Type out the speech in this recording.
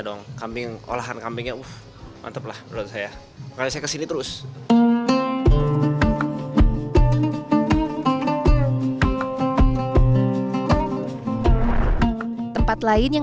dong kambing olahan kambingnya uh mantep lah menurut saya makanya saya kesini terus tempat lain yang